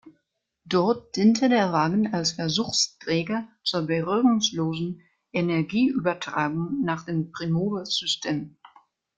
Dort diente der Wagen als Versuchsträger zur berührungslosen Energieübertragung nach dem Primove-System.